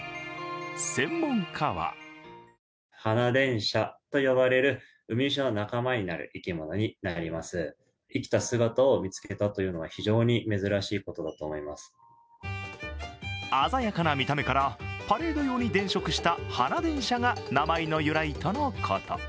専門家は鮮やかな見た目からパレード用に電飾した花電車が名前の由来とのこと。